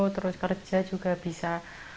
terus kerja juga bisa